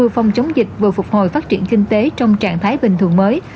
vừa phòng chống dịch vừa phục hồi phát triển kinh tế trong trạng thái bình thường mới